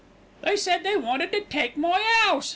"They said they wanted to take my 'ouse.